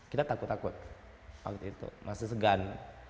kita takut takut waktu itu masih segan